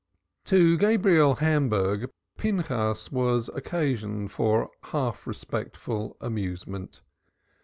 To Gabriel Hamburg, Pinchas was occasion for half respectful amusement.